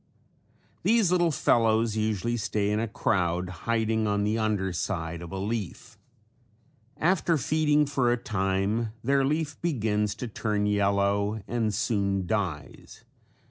These little fellows usually stay in a crowd hiding on the under side of a leaf. After feeding for a time their leaf begins to turn yellow and soon dies.